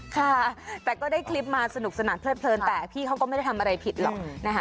ค่ะแต่ก็ได้คลิปมาสนุกสนานเพลิดเลินแต่พี่เขาก็ไม่ได้ทำอะไรผิดหรอกนะคะ